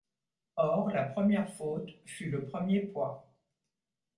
Or, la première faute Fut le premier poids.